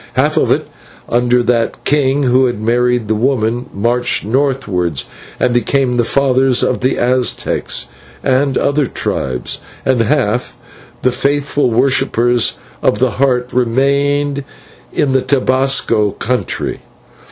Half of it, under that king who had married the woman, marched northwards, and became the fathers of the Aztecs and other tribes; and half, the faithful worshippers of the Heart, remained in the Tobasco country.